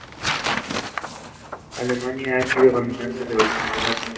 Alemania ha sido dominante en los campeonatos.